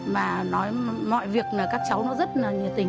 mà nói mọi việc là các cháu nó rất là nhiệt tình